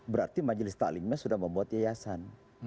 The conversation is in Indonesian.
berarti majelis ta'limnya sudah membuat yayasan